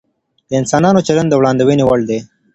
د انسانانو چلند د وړاندوينې وړ وي.